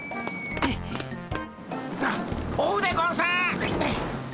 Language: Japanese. あっ追うでゴンス！